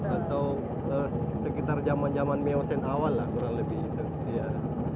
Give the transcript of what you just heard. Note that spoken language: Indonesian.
atau sekitar jaman jaman meosen awal lah kurang lebih